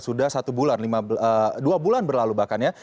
sudah satu bulan dua bulan berlalu bahkan ya